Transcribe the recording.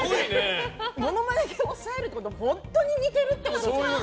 モノマネ系を抑えるってことは本当に似てるってことですよね。